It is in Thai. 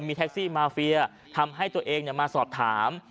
มีแท็กซี่มาเฟียทำให้ตัวเองมาสอบถาม